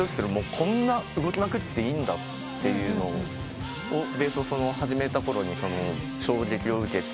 こんな動きまくっていいんだってベースを始めたころに衝撃を受けて。